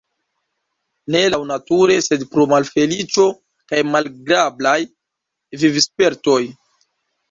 Ne laŭnature, sed pro malfeliĉo kaj malagrablaj vivspertoj.